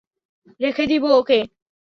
রেখে দিব ওকে।